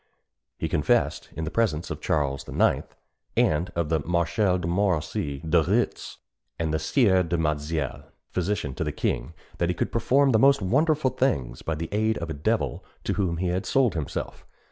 He confessed, in the presence of Charles IX., and of the Marshals de Montmorency, De Retz, and the Sieur du Mazille, physician to the king, that he could perform the most wonderful things by the aid of a devil to whom he had sold himself.